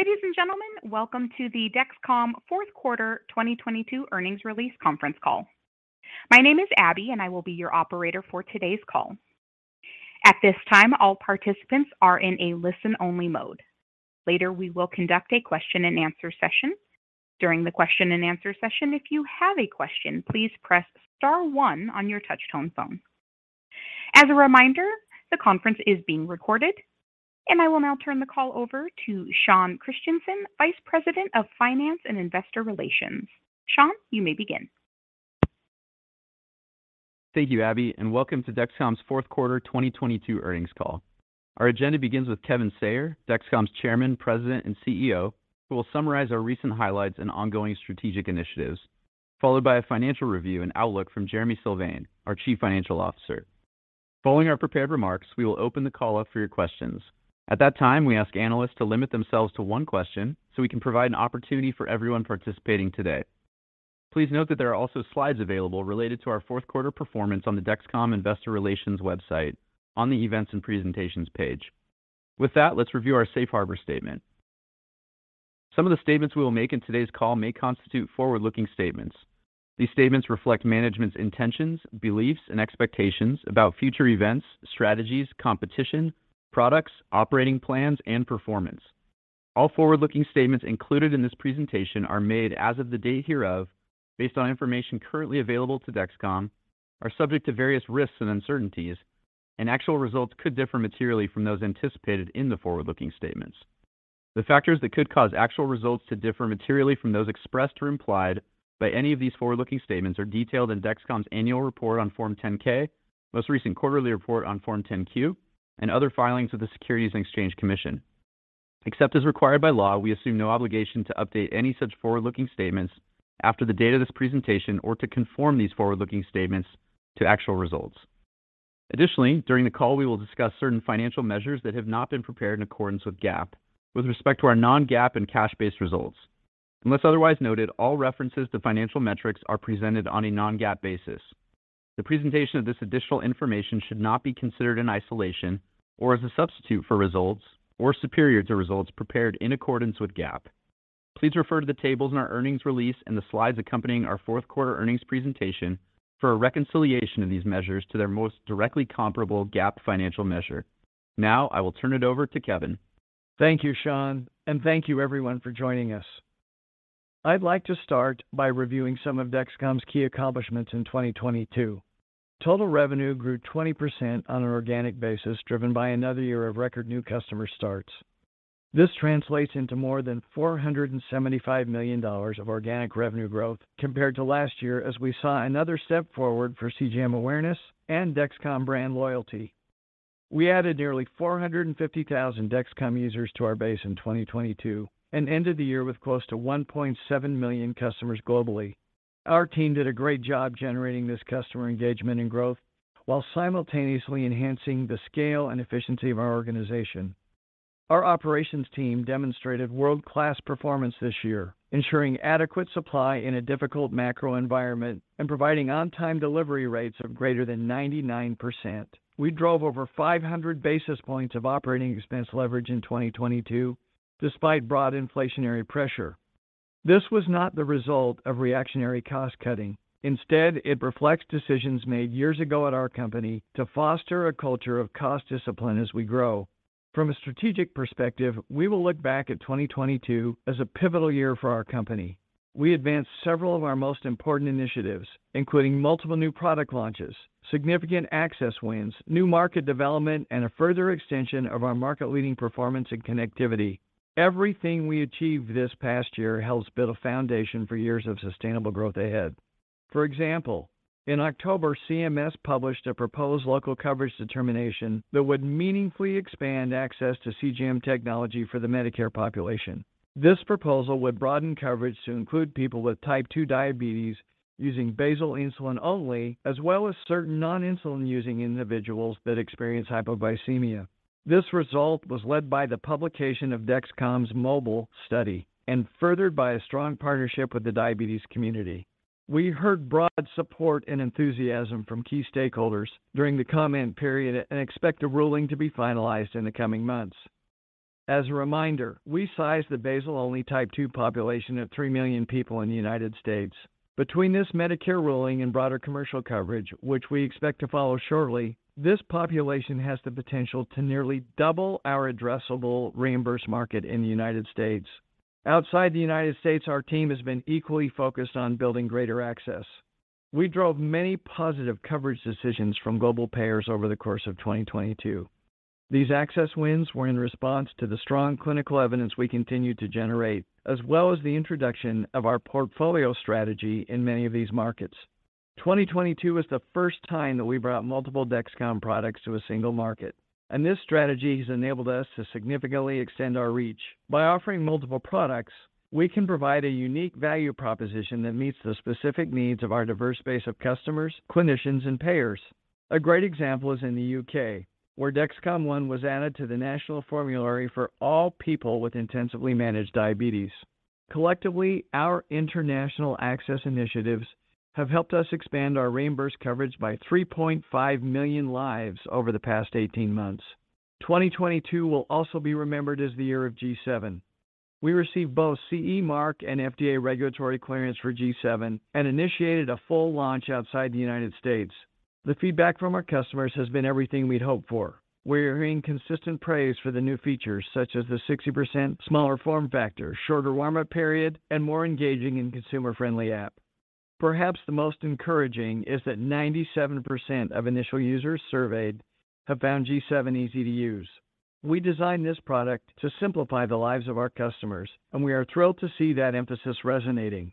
Ladies and gentlemen, welcome to the Dexcom fourth quarter 2022 earnings release conference call. My name is Abby, and I will be your operator for today's call. At this time, all participants are in a listen-only mode. Later, we will conduct a question and answer session. During the question and answer session, if you have a question, please press star one on your touchtone phone. As a reminder, the conference is being recorded, and I will now turn the call over to Sean Christensen, Vice President of Finance and Investor Relations. Sean, you may begin. Thank you, Abby. Welcome to Dexcom's fourth quarter 2022 earnings call. Our agenda begins with Kevin Sayer, Dexcom's Chairman, President, and CEO, who will summarize our recent highlights and ongoing strategic initiatives, followed by a financial review and outlook from Jereme Sylvain, our Chief Financial Officer. Following our prepared remarks, we will open the call up for your questions. At that time, we ask analysts to limit themselves to 1 question so we can provide an opportunity for everyone participating today. Please note that there are also slides available related to our fourth quarter performance on the Dexcom Investor Relations website on the Events and Presentations page. With that, let's review our safe harbor statement. Some of the statements we will make in today's call may constitute forward-looking statements. These statements reflect management's intentions, beliefs, and expectations about future events, strategies, competition, products, operating plans, and performance. All forward-looking statements included in this presentation are made as of the date hereof based on information currently available to Dexcom, are subject to various risks and uncertainties, and actual results could differ materially from those anticipated in the forward-looking statements. The factors that could cause actual results to differ materially from those expressed or implied by any of these forward-looking statements are detailed in Dexcom's annual report on Form 10-K, most recent quarterly report on Form 10-Q, and other filings with the Securities and Exchange Commission. Except as required by law, we assume no obligation to update any such forward-looking statements after the date of this presentation or to conform these forward-looking statements to actual results. Additionally, during the call, we will discuss certain financial measures that have not been prepared in accordance with GAAP with respect to our non-GAAP and cash-based results. Unless otherwise noted, all references to financial metrics are presented on a non-GAAP basis. The presentation of this additional information should not be considered in isolation or as a substitute for results or superior to results prepared in accordance with GAAP. Please refer to the tables in our earnings release and the slides accompanying our fourth quarter earnings presentation for a reconciliation of these measures to their most directly comparable GAAP financial measure. Now I will turn it over to Kevin. Thank you, Sean, and thank you everyone for joining us. I'd like to start by reviewing some of Dexcom's key accomplishments in 2022. Total revenue grew 20% on an organic basis, driven by another year of record new customer starts. This translates into more than $475 million of organic revenue growth compared to last year as we saw another step forward for CGM awareness and Dexcom brand loyalty. We added nearly 450,000 Dexcom users to our base in 2022 and ended the year with close to 1.7 million customers globally. Our team did a great job generating this customer engagement and growth while simultaneously enhancing the scale and efficiency of our organization. Our operations team demonstrated world-class performance this year, ensuring adequate supply in a difficult macro environment and providing on-time delivery rates of greater than 99%. We drove over 500 basis points of operating expense leverage in 2022 despite broad inflationary pressure. This was not the result of reactionary cost-cutting. Instead, it reflects decisions made years ago at our company to foster a culture of cost discipline as we grow. From a strategic perspective, we will look back at 2022 as a pivotal year for our company. We advanced several of our most important initiatives, including multiple new product launches, significant access wins, new market development, and a further extension of our market-leading performance and connectivity. Everything we achieved this past year helps build a foundation for years of sustainable growth ahead. For example, in October, CMS published a proposed Local Coverage Determination that would meaningfully expand access to CGM technology for the Medicare population. This proposal would broaden coverage to include people with type two diabetes using basal insulin only, as well as certain non-insulin using individuals that experience hypoglycemia. This result was led by the publication of Dexcom's MOBILE study and furthered by a strong partnership with the diabetes community. We heard broad support and enthusiasm from key stakeholders during the comment period and expect the ruling to be finalized in the coming months. As a reminder, we sized the basal-only type two population of three million people in the United States. Between this Medicare ruling and broader commercial coverage, which we expect to follow shortly, this population has the potential to nearly double our addressable reimbursed market in the United States. Outside the United States, our team has been equally focused on building greater access. We drove many positive coverage decisions from global payers over the course of 2022. These access wins were in response to the strong clinical evidence we continued to generate, as well as the introduction of our portfolio strategy in many of these markets. 2022 was the first time that we brought multiple Dexcom products to a single market, and this strategy has enabled us to significantly extend our reach. By offering multiple products, we can provide a unique value proposition that meets the specific needs of our diverse base of customers, clinicians, and payers. A great example is in the U.K., where Dexcom ONE was added to the national formulary for all people with intensively managed diabetes. Collectively, our international access initiatives have helped us expand our reimbursed coverage by 3.5 million lives over the past 18 months. 2022 will also be remembered as the year of G7. We received both CE mark and FDA regulatory clearance for G7 and initiated a full launch outside the United States. The feedback from our customers has been everything we'd hoped for. We're hearing consistent praise for the new features such as the 60% smaller form factor, shorter warm-up period, and more engaging and consumer-friendly app. Perhaps the most encouraging is that 97% of initial users surveyed have found G7 easy to use. We designed this product to simplify the lives of our customers, and we are thrilled to see that emphasis resonating.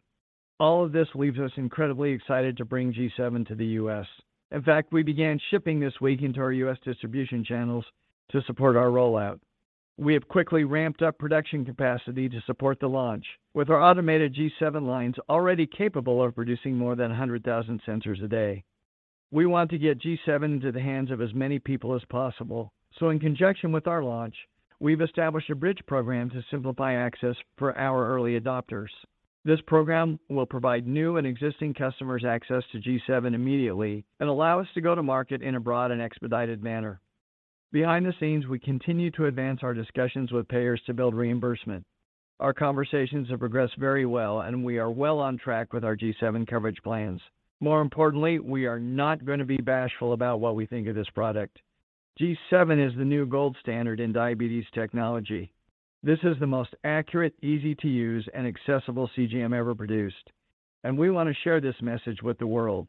All of this leaves us incredibly excited to bring G7 to the U.S. In fact, we began shipping this week into our U.S. distribution channels to support our rollout. We have quickly ramped up production capacity to support the launch with our automated G7 lines already capable of producing more than 100,000 sensors a day. We want to get G7 into the hands of as many people as possible, so in conjunction with our launch, we've established a bridge program to simplify access for our early adopters. This program will provide new and existing customers access to G7 immediately and allow us to go to market in a broad and expedited manner. Behind the scenes, we continue to advance our discussions with payers to build reimbursement. Our conversations have progressed very well, and we are well on track with our G7 coverage plans. More importantly, we are not going to be bashful about what we think of this product. G7 is the new gold standard in diabetes technology. This is the most accurate, easy-to-use, and accessible CGM ever produced, and we want to share this message with the world.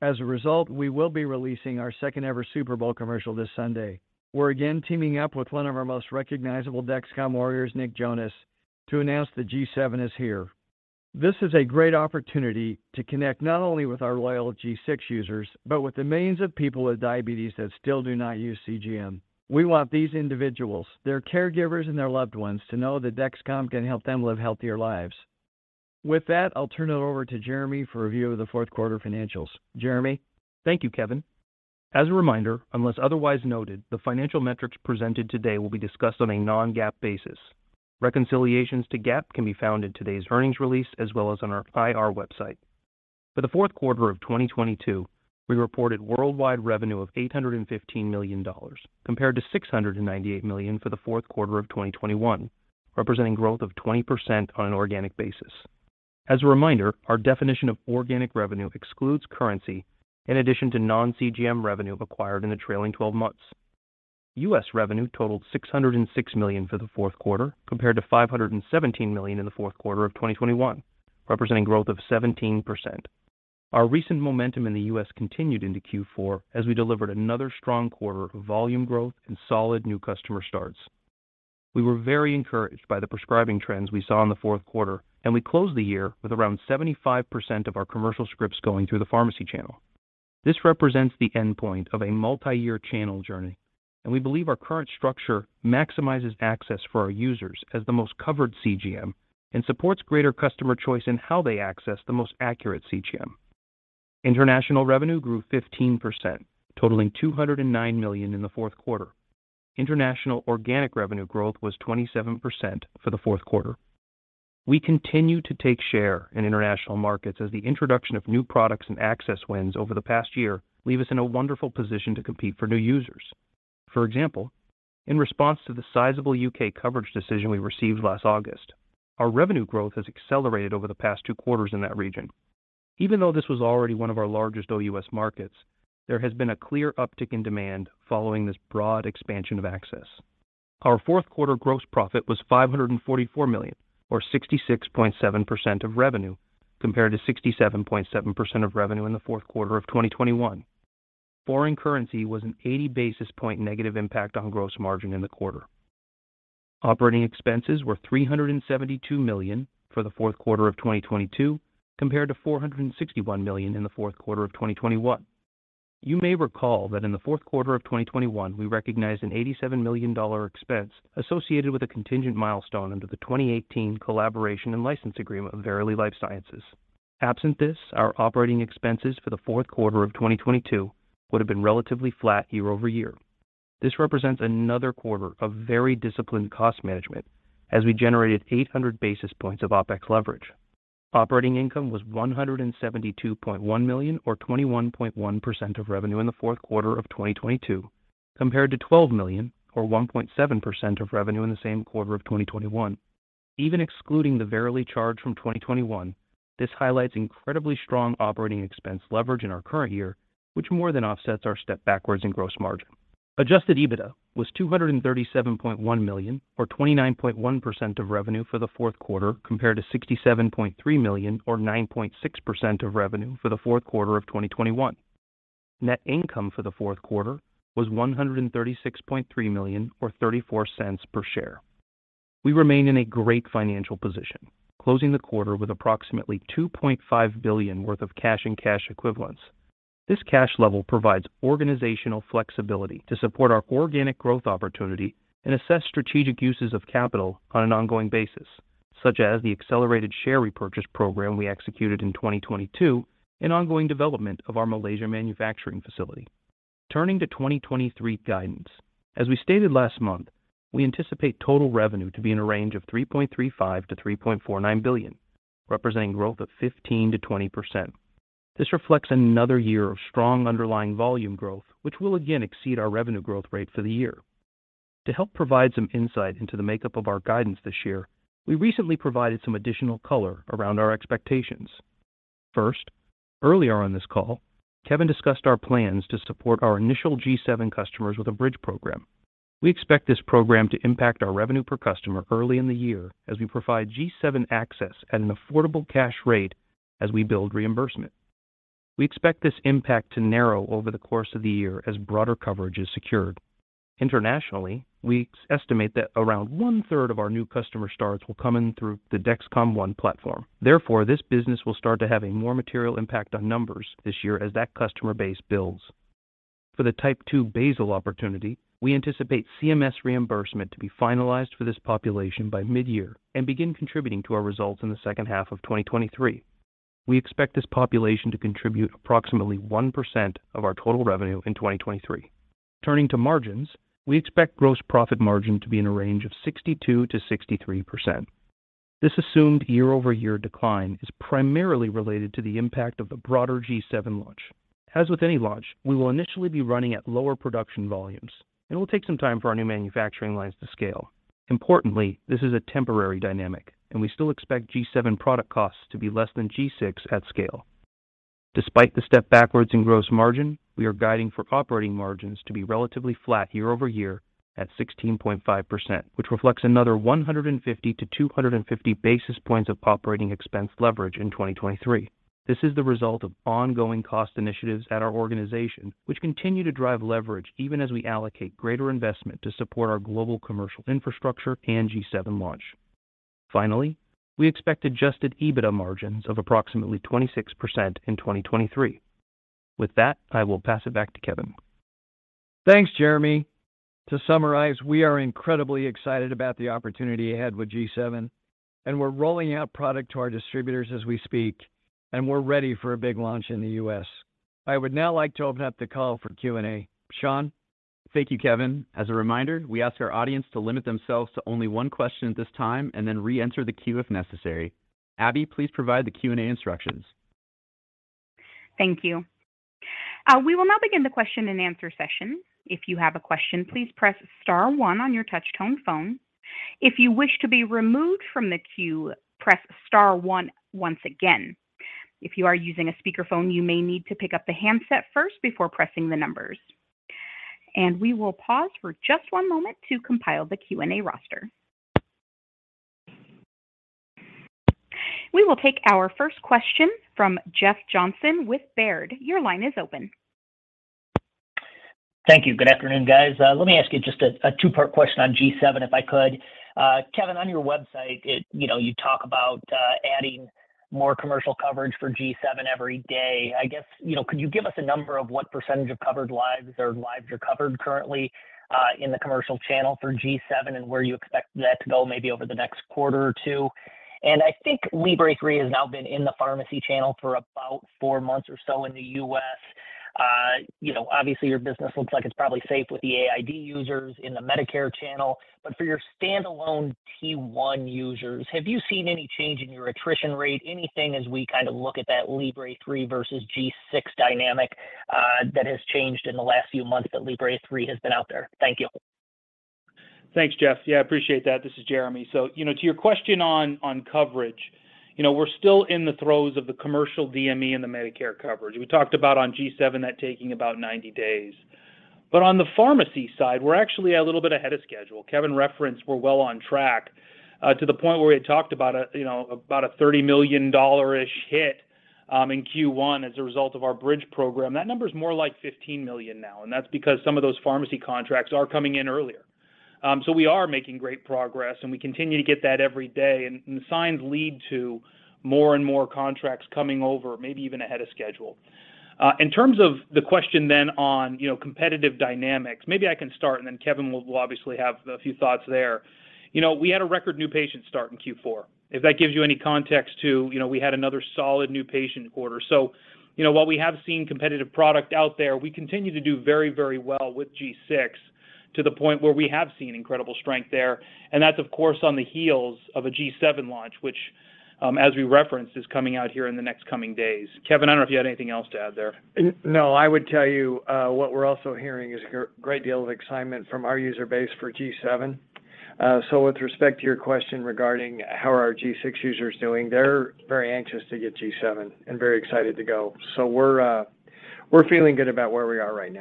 As a result, we will be releasing our second-ever Super Bowl commercial this Sunday. We're again teaming up with one of our most recognizable Dexcom Warriors, Nick Jonas, to announce that G7 is here. This is a great opportunity to connect not only with our loyal G6 users but with the millions of people with diabetes that still do not use CGM. We want these individuals, their caregivers, and their loved ones to know that Dexcom can help them live healthier lives. With that, I'll turn it over to Jereme for review of the fourth quarter financials. Jereme? Thank you, Kevin. As a reminder, unless otherwise noted, the financial metrics presented today will be discussed on a non-GAAP basis. Reconciliations to GAAP can be found in today's earnings release as well as on our IR website. For the fourth quarter of 2022, we reported worldwide revenue of $815 million, compared to $698 million for the fourth quarter of 2021, representing growth of 20% on an organic basis. As a reminder, our definition of organic revenue excludes currency in addition to non-CGM revenue acquired in the trailing 12 months. U.S. revenue totaled $606 million for the fourth quarter, compared to $517 million in the fourth quarter of 2021, representing growth of 17%. Our recent momentum in the U.S. continued into Q4 as we delivered another strong quarter of volume growth and solid new customer starts. We were very encouraged by the prescribing trends we saw in the fourth quarter, and we closed the year with around 75% of our commercial scripts going through the pharmacy channel. This represents the endpoint of a multi-year channel journey, and we believe our current structure maximizes access for our users as the most covered CGM and supports greater customer choice in how they access the most accurate CGM. International revenue grew 15%, totaling $209 million in the fourth quarter. International organic revenue growth was 27% for the fourth quarter. We continue to take share in international markets as the introduction of new products and access wins over the past year leave us in a wonderful position to compete for new users. For example, in response to the sizable U.K. coverage decision we received last August, our revenue growth has accelerated over the past two quarters in that region. Even though this was already one of our largest OUS markets, there has been a clear uptick in demand following this broad expansion of access. Our fourth quarter gross profit was $544 million or 66.7% of revenue, compared to 67.7% of revenue in the fourth quarter of 2021. Foreign currency was an 80 basis point negative impact on gross margin in the quarter. Operating expenses were $372 million for the fourth quarter of 2022, compared to $461 million in the fourth quarter of 2021. You may recall that in the fourth quarter of 2021, we recognized an $87 million expense associated with a contingent milestone under the 2018 collaboration and license agreement of Verily Life Sciences. Absent this, our operating expenses for the fourth quarter of 2022 would have been relatively flat year-over-year. This represents another quarter of very disciplined cost management as we generated 800 basis points of OPEX leverage. Operating income was $172.1 million or 21.1% of revenue in the fourth quarter of 2022, compared to $12 million or 1.7% of revenue in the same quarter of 2021. Even excluding the Verily charge from 2021, this highlights incredibly strong operating expense leverage in our current year, which more than offsets our step backwards in gross margin. Adjusted EBITDA was $237.1 million or 29.1% of revenue for the fourth quarter, compared to $67.3 million or 9.6% of revenue for the fourth quarter of 2021. Net income for the fourth quarter was $136.3 million or $0.34 per share. We remain in a great financial position, closing the quarter with approximately $2.5 billion worth of cash and cash equivalents. This cash level provides organizational flexibility to support our organic growth opportunity and assess strategic uses of capital on an ongoing basis, such as the accelerated share repurchase program we executed in 2022 and ongoing development of our Malaysia manufacturing facility. Turning to 2023 guidance. As we stated last month, we anticipate total revenue to be in a range of $3.35 billion-$3.49 billion, representing growth of 15%-20%. This reflects another year of strong underlying volume growth, which will again exceed our revenue growth rate for the year. To help provide some insight into the makeup of our guidance this year, we recently provided some additional color around our expectations. First, earlier on this call, Kevin discussed our plans to support our initial G7 customers with a bridge program. We expect this program to impact our revenue per customer early in the year as we provide G7 access at an affordable cash rate as we build reimbursement. We expect this impact to narrow over the course of the year as broader coverage is secured. Internationally, we estimate that around 1/3 of our new customer starts will coming through the Dexcom ONE platform. This business will start to have a more material impact on numbers this year as that customer base builds. For the type two basal opportunity, we anticipate CMS reimbursement to be finalized for this population by mid-year and begin contributing to our results in the second half of 2023. We expect this population to contribute approximately 1% of our total revenue in 2023. Turning to margins, we expect gross profit margin to be in a range of 62%-63%. This assumed year-over-year decline is primarily related to the impact of the broader G7 launch. As with any launch, we will initially be running at lower production volumes, and it will take some time for our new manufacturing lines to scale. Importantly, this is a temporary dynamic, and we still expect G7 product costs to be less than G6 at scale. Despite the step backwards in gross margin, we are guiding for operating margins to be relatively flat year-over-year at 16.5%, which reflects another 150-250 basis points of operating expense leverage in 2023. This is the result of ongoing cost initiatives at our organization, which continue to drive leverage even as we allocate greater investment to support our global commercial infrastructure and G7 launch. Finally, we expect adjusted EBITDA margins of approximately 26% in 2023. With that, I will pass it back to Kevin. Thanks, Jereme. To summarize, we are incredibly excited about the opportunity ahead with G7, and we're rolling out product to our distributors as we speak, and we're ready for a big launch in the U.S. I would now like to open up the call for Q&A. Sean? Thank you, Kevin. As a reminder, we ask our audience to limit themselves to only one question at this time and then re-enter the queue if necessary. Abby, please provide the Q&A instructions. Thank you. We will now begin the question and answer session. If you have a question, please press star one on your touch-tone phone. If you wish to be removed from the queue, press star one once again. If you are using a speakerphone, you may need to pick up the handset first before pressing the numbers. We will pause for just one moment to compile the Q&A roster. We will take our first question from Jeff Johnson with Baird. Your line is open. Thank you. Good afternoon, guys. Let me ask you just a two-part question on G7, if I could. Kevin, on your website, you know, you talk about adding more commercial coverage for G7 every day. I guess, you know, could you give us a number of what % of covered lives or lives you're covered currently in the commercial channel for G7 and where you expect that to go maybe over the next quarter or two? I think FreeStyle Libre 3 has now been in the pharmacy channel for about four months or so in the U.S. You know, obviously your business looks like it's probably safe with the AID users in the Medicare channel, but for your standalone T1 users, have you seen any change in your attrition rate? Anything as we kind of look at that Libre 3 versus G6 dynamic, that has changed in the last few months that Libre 3 has been out there? Thank you. Thanks, Jeff. Yeah, I appreciate that. This is Jereme. You know, to your question on coverage, you know, we're still in the throes of the commercial DME and the Medicare coverage. We talked about on G7 that taking about 90 days. On the pharmacy side, we're actually a little bit ahead of schedule. Kevin referenced we're well on track to the point where we had talked about a, you know, about a $30 million dollish hit in Q1 as a result of our bridge program. That number is more like $15 million now, that's because some of those pharmacy contracts are coming in earlier. We are making great progress, and we continue to get that every day, and the signs lead to more and more contracts coming over, maybe even ahead of schedule. In terms of the question then on, you know, competitive dynamics, maybe I can start, and then Kevin will obviously have a few thoughts there. You know, we had a record new patient start in Q4. If that gives you any context to, you know, we had another solid new patient quarter. You know, while we have seen competitive product out there, we continue to do very, very well with G6 to the point where we have seen incredible strength there. That's, of course, on the heels of a G7 launch, which, as we referenced, is coming out here in the next coming days. Kevin, I don't know if you had anything else to add there. I would tell you, what we're also hearing is a great deal of excitement from our user base for G7. With respect to your question regarding how are our G6 users doing, they're very anxious to get G7 and very excited to go. We're feeling good about where we are right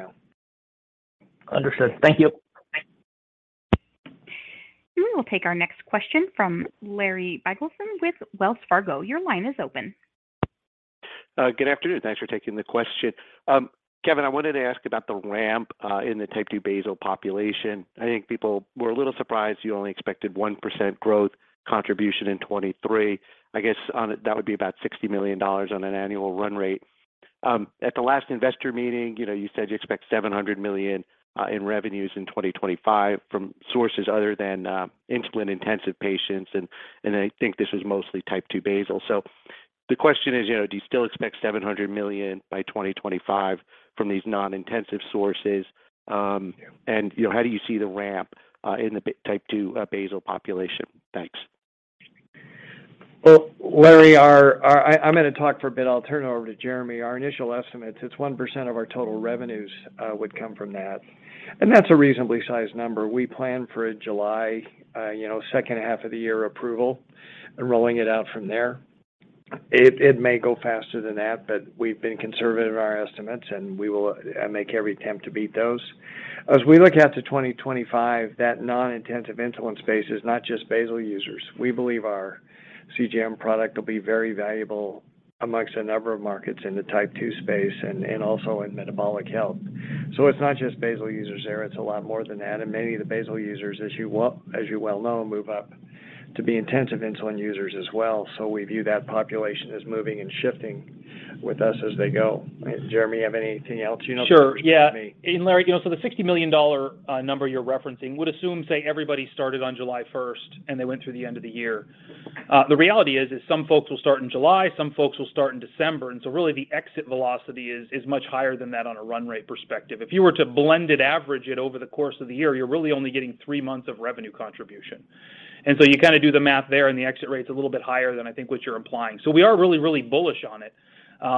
now. Understood. Thank you. We will take our next question from Larry Biegelsen with Wells Fargo. Your line is open. Good afternoon. Thanks for taking the question. Kevin, I wanted to ask about the ramp in the type two basal population. I think people were a little surprised you only expected 1% growth contribution in 2023. I guess that would be about $60 million on an annual run rate. At the last investor meeting, you know, you said you expect $700 million in revenues in 2025 from sources other than insulin-intensive patients, and I think this was mostly type two basal. So The question is, you know, do you still expect $700 million by 2025 from these non-intensive sources? You know, how do you see the ramp in the type two basal population? Thanks. Well, Larry, I'm gonna talk for a bit, I'll turn it over to Jereme. Our initial estimates, it's 1% of our total revenues, would come from that, and that's a reasonably sized number. We plan for a July, you know, second half of the year approval and rolling it out from there. It may go faster than that, but we've been conservative in our estimates, and we will make every attempt to beat those. As we look out to 2025, that non-intensive insulin space is not just basal users. We believe our CGM product will be very valuable amongst a number of markets in the type two space and also in metabolic health. It's not just basal users there, it's a lot more than that. Many of the basal users, as you well know, move up to be intensive insulin users as well. We view that population as moving and shifting with us as they go. Jereme, you have anything else? You know this better than me. Sure, yeah. Larry, you know, the $60 million number you're referencing would assume, say, everybody started on July 1st and they went through the end of the year. The reality is some folks will start in July, some folks will start in December. Really, the exit velocity is much higher than that on a run rate perspective. If you were to blend it, average it over the course of the year, you're really only getting three months of revenue contribution. You kind of do the math there, and the exit rate's a little bit higher than I think what you're implying. We are really, really bullish on it,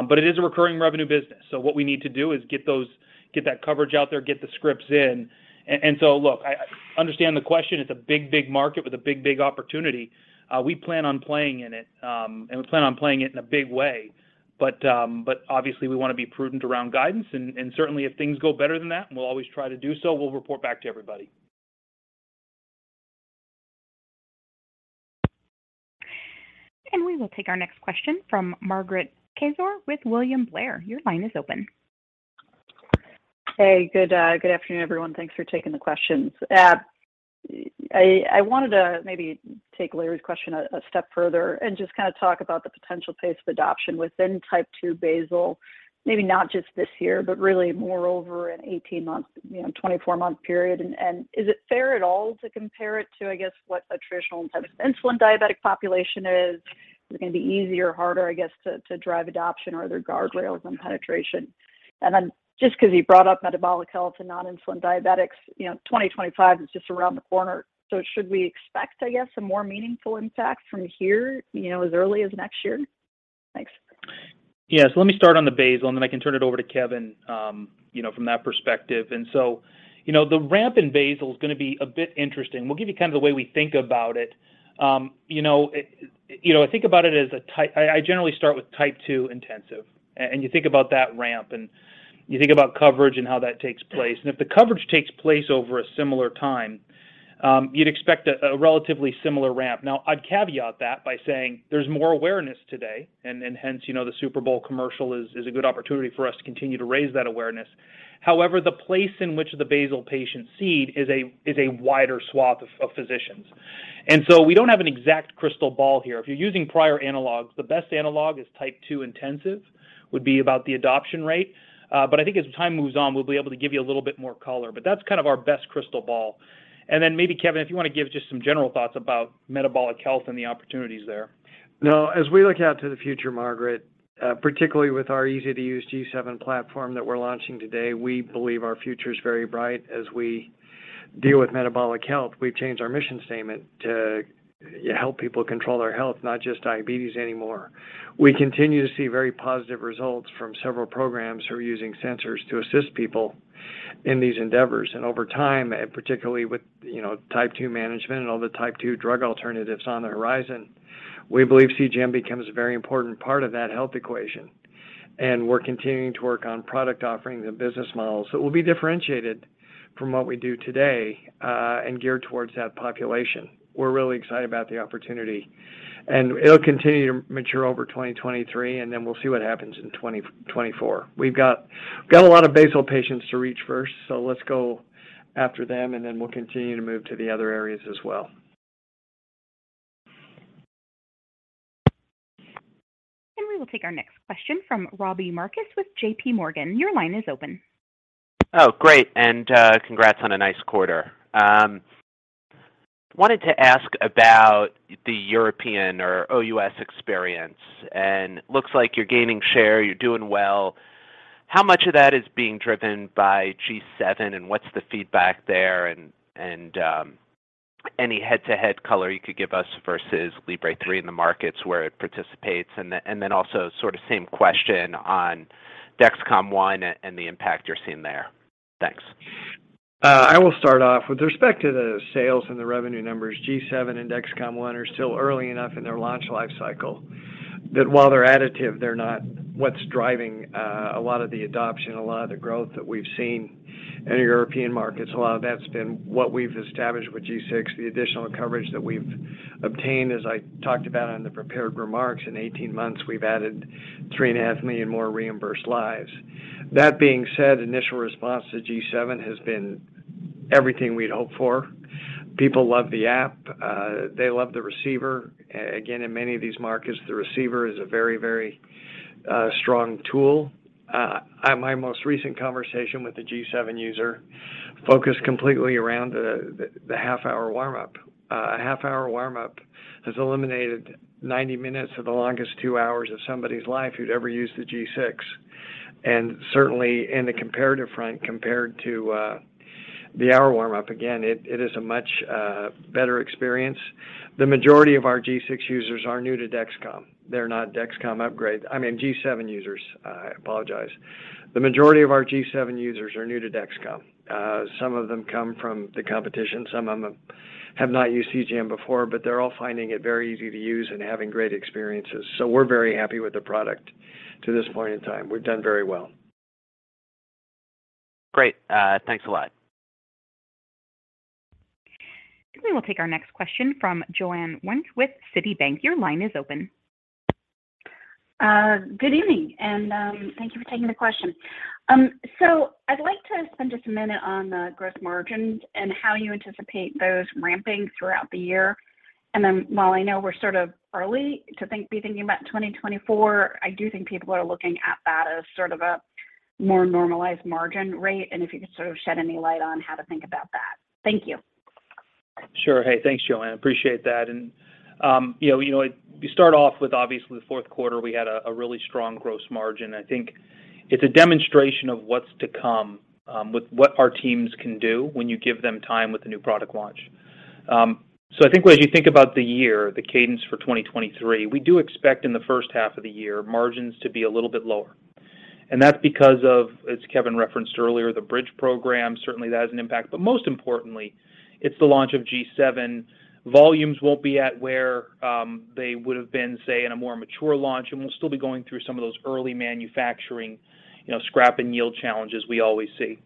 but it is a recurring revenue business. What we need to do is get that coverage out there, get the scripts in. Look, I understand the question. It's a big, big market with a big, big opportunity. We plan on playing in it, and we plan on playing it in a big way. Obviously, we wanna be prudent around guidance. Certainly, if things go better than that, and we'll always try to do so, we'll report back to everybody. We will take our next question from Margaret Kaczor with William Blair. Your line is open. Good afternoon, everyone. Thanks for taking the questions. I wanted to maybe take Larry's question a step further and just kind of talk about the potential pace of adoption within type two basal, maybe not just this year, but really more over an 18-month, you know, 24-month period. Is it fair at all to compare it to, I guess, what a traditional intensive insulin diabetic population is? Is it gonna be easier or harder, I guess, to drive adoption? Are there guardrails on penetration? Then just 'cause you brought up metabolic health and non-insulin diabetics, you know, 2025 is just around the corner. Should we expect, I guess, a more meaningful impact from here, you know, as early as next year? Thanks. Yeah. Let me start on the basal, and then I can turn it over to Kevin, you know, from that perspective. You know, the ramp in basal is gonna be a bit interesting. We'll give you kind of the way we think about it. You know, I generally start with type two intensive. And you think about that ramp, and you think about coverage and how that takes place. If the coverage takes place over a similar time, you'd expect a relatively similar ramp. Now, I'd caveat that by saying there's more awareness today and hence, you know, the Super Bowl commercial is a good opportunity for us to continue to raise that awareness. However, the place in which the basal patients seed is a wider swath of physicians. We don't have an exact crystal ball here. If you're using prior analogs, the best analog is type two intensive, would be about the adoption rate. I think as time moves on, we'll be able to give you a little bit more color. That's kind of our best crystal ball. Maybe, Kevin, if you wanna give just some general thoughts about metabolic health and the opportunities there. No. As we look out to the future, Margaret, particularly with our easy-to-use G7 platform that we're launching today, we believe our future is very bright. As we deal with metabolic health, we've changed our mission statement to help people control their health, not just diabetes anymore. We continue to see very positive results from several programs who are using sensors to assist people in these endeavors. Over time, and particularly with, you know, Type two management and all the Type two drug alternatives on the horizon, we believe CGM becomes a very important part of that health equation. We're continuing to work on product offerings and business models that will be differentiated from what we do today, and geared towards that population. We're really excited about the opportunity, and it'll continue to mature over 2023, and then we'll see what happens in 2024. We've got a lot of basal patients to reach first, so let's go after them, and then we'll continue to move to the other areas as well. We will take our next question from Robbie Marcus with J.P. Morgan. Your line is open. Great, congrats on a nice quarter. Wanted to ask about the European or OUS experience, looks like you're gaining share, you're doing well. How much of that is being driven by G7, and what's the feedback there? Any head-to-head color you could give us versus FreeStyle Libre 3 in the markets where it participates? Also sort of same question on Dexcom ONE and the impact you're seeing there. Thanks. I will start off. With respect to the sales and the revenue numbers, G7 and Dexcom ONE are still early enough in their launch life cycle that while they're additive, they're not what's driving a lot of the adoption, a lot of the growth that we've seen in European markets. A lot of that's been what we've established with G6, the additional coverage that we've obtained. As I talked about on the prepared remarks, in 18 months, we've added 3.5 million more reimbursed lives. That being said, initial response to G7 has been everything we'd hoped for. People love the app. They love the receiver. Again, in many of these markets, the receiver is a very A strong tool. At my most recent conversation with the G7 user focused completely around the half-hour warm-up. A half-hour warm-up has eliminated 90 minutes of the longest two hours of somebody's life who'd ever used the G6. Certainly in the comparative front, compared to the hour warm-up, again, it is a much better experience. The majority of our G6 users are new to Dexcom. They're not Dexcom upgrade. I mean, G7 users. I apologize. The majority of our G7 users are new to Dexcom. Some of them come from the competition, some of them have not used CGM before, but they're all finding it very easy to use and having great experiences. We're very happy with the product to this point in time. We've done very well. Great. thanks a lot. We will take our next question from Joanne Wuensch with Citibank. Your line is open. Good evening, thank you for taking the question. I'd like to spend just a minute on the gross margins and how you anticipate those ramping throughout the year. While I know we're sort of early to be thinking about 2024, I do think people are looking at that as sort of a more normalized margin rate, and if you could sort of shed any light on how to think about that. Thank you. Sure. Hey, thanks, Joanne. I appreciate that. You know, you start off with obviously the fourth quarter, we had a really strong gross margin. I think it's a demonstration of what's to come, with what our teams can do when you give them time with the new product launch. So I think as you think about the year, the cadence for 2023, we do expect in the first half of the year margins to be a little bit lower. That's because of, as Kevin referenced earlier, the bridge program. Certainly, that has an impact. Most importantly, it's the launch of G7. Volumes won't be at where they would've been, say, in a more mature launch, and we'll still be going through some of those early manufacturing, you know, scrap and yield challenges we always see.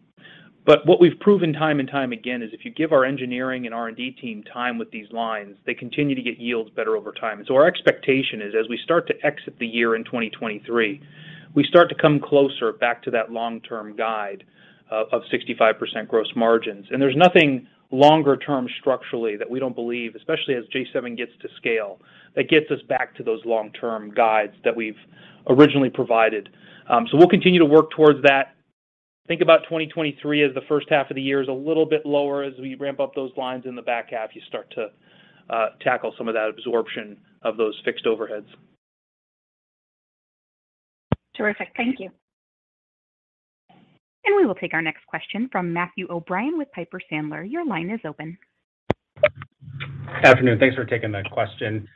What we've proven time and time again is if you give our engineering and R&D team time with these lines, they continue to get yields better over time. Our expectation is as we start to exit the year in 2023, we start to come closer back to that long-term guide of 65% gross margins. There's nothing longer-term structurally that we don't believe, especially as G7 gets to scale, that gets us back to those long-term guides that we've originally provided. We'll continue to work towards that. Think about 2023 as the first half of the year is a little bit lower. As we ramp up those lines in the back half, you start to tackle some of that absorption of those fixed overheads. Terrific. Thank you. We will take our next question from Matthew O'Brien with Piper Sandler. Your line is open. Afternoon. Thanks for taking the question.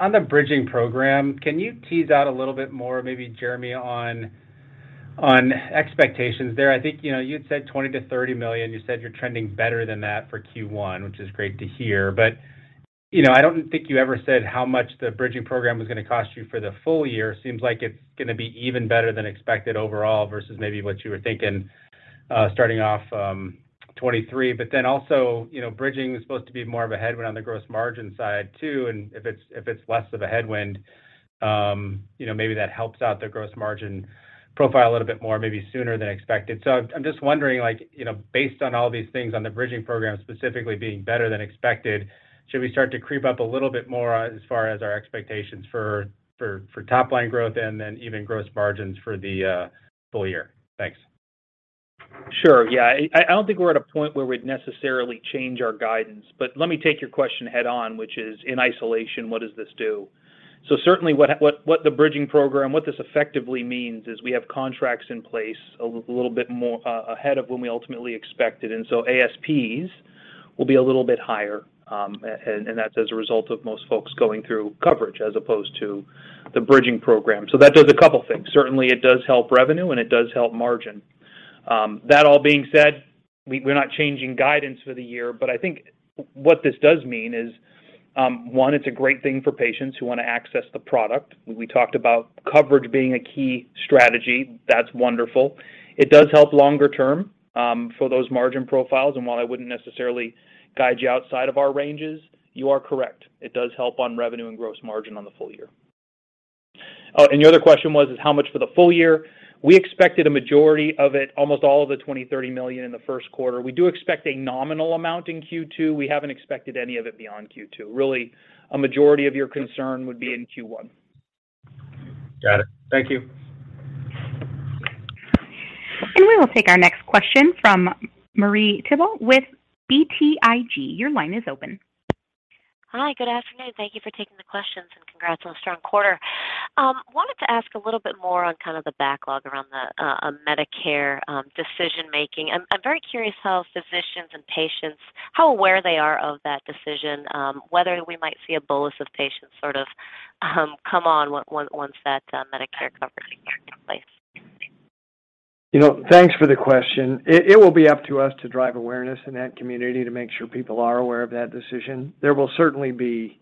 On the bridging program, can you tease out a little bit more, maybe Jereme, on expectations there? I think, you know, you'd said $20 million-$30 million. You said you're trending better than that for Q1, which is great to hear. You know, I don't think you ever said how much the bridging program was gonna cost you for the full year. Seems like it's gonna be even better than expected overall versus maybe what you were thinking, starting off 2023. Also, you know, bridging is supposed to be more of a headwind on the gross margin side too. And if it's less of a headwind, you know, maybe that helps out the gross margin profile a little bit more, maybe sooner than expected. I'm just wondering, like, you know, based on all these things on the bridging program specifically being better than expected, should we start to creep up a little bit more as far as our expectations for top line growth and then even gross margins for the full year? Thanks. Sure. Yeah. I don't think we're at a point where we'd necessarily change our guidance. Let me take your question head on, which is in isolation, what does this do? Certainly what the bridging program, what this effectively means is we have contracts in place a little bit more ahead of when we ultimately expected, ASPs will be a little bit higher, and that's as a result of most folks going through coverage as opposed to the bridging program. That does a couple things. Certainly, it does help revenue. It does help margin. That all being said, we're not changing guidance for the year, I think what this does mean is one, it's a great thing for patients who wanna access the product. We talked about coverage being a key strategy. That's wonderful. It does help longer term for those margin profiles. While I wouldn't necessarily guide you outside of our ranges, you are correct. It does help on revenue and gross margin on the full year. Your other question was, is how much for the full year. We expected a majority of it, almost all of the $20 million-$30 million in the first quarter. We do expect a nominal amount in Q2. We haven't expected any of it beyond Q2. Really, a majority of your concern would be in Q1. Got it. Thank you. We will take our next question from Marie Thibault with BTIG. Your line is open. Hi. Good afternoon. Thank you for taking the questions. Congrats on a strong quarter. Wanted to ask a little bit more on kind of the backlog around the Medicare decision making. I'm very curious how physicians and patients, how aware they are of that decision, whether we might see a bolus of patients sort of come on once that Medicare coverage takes place. You know, Thanks for the question. It will be up to us to drive awareness in that community to make sure people are aware of that decision. There will certainly be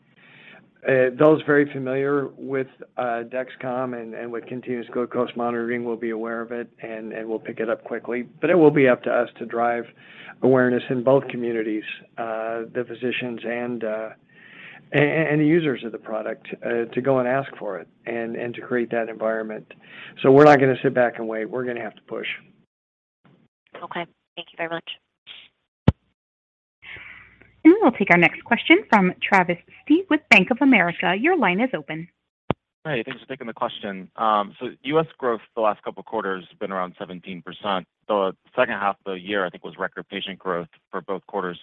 those very familiar with Dexcom and with continuous glucose monitoring will be aware of it and will pick it up quickly. It will be up to us to drive awareness in both communities, the physicians and the users of the product, to go and ask for it and to create that environment. We're not gonna sit back and wait. We're gonna have to push. Okay. Thank you very much. We'll take our next question from Travis Steed with Bank of America. Your line is open. Hey, thanks for taking the question. U.S. growth the last couple of quarters has been around 17%. Second half of the year, I think, was record patient growth for both quarters.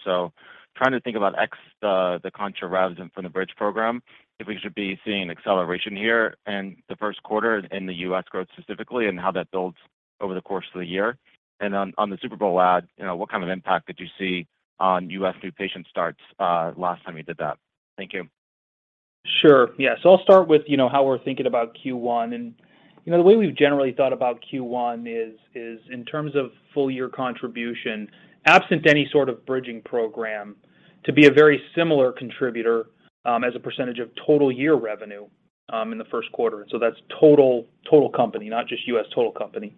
Trying to think about the Contra rather than from the bridge program, if we should be seeing an acceleration here and the 1st quarter in the U.S. growth specifically and how that builds over the course of the year. On the Super Bowl ad, you know, what kind of impact did you see on U.S. new patient starts last time you did that? Thank you. Sure. Yeah. I'll start with, you know, how we're thinking about Q1. You know, the way we've generally thought about Q1 is in terms of full year contribution, absent any sort of bridging program, to be a very similar contributor, as a percentage of total year revenue, in the first quarter. That's total company, not just U.S. total company.